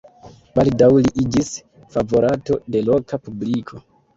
Baldaŭ li iĝis favorato de loka publiko.